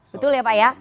betul ya pak ya